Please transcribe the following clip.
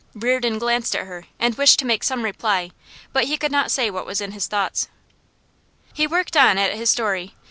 Reardon glanced at her, and wished to make some reply, but he could not say what was in his thoughts. He worked on at his story.